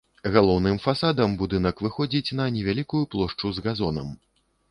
Галоўным фасадам будынак выходзіць на невялікую плошчу з газонам.